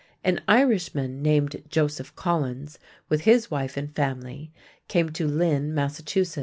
An Irishman named Joseph Collins with his wife and family came to Lynn, Mass.